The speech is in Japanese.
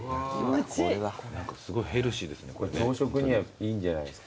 すごいヘルシーですね。